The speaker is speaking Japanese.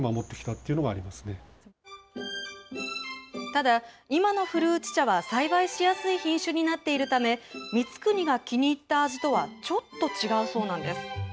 ただ、今の古内茶は栽培しやすい品種になっているため、光圀が気に入った味とはちょっと違うそうなんです。